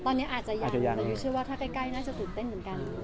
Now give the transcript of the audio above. ตอนนี้อาจจะอยากมายูเชื่อว่าถ้าใกล้น่าจะตื่นเต้นเหมือนกัน